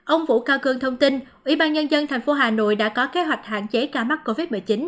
ông vũ cao cương thông tin ủy ban nhân dân tp hà nội đã có kế hoạch hạn chế ca mắc covid một mươi chín